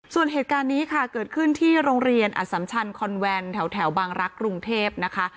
ส่วนเหตุการณ์นี้ค่ะเกิดขึ้นที่โรงเรียนอสัมชันคอนแวนแถวบางรักษ์กรุงเทพนะคะ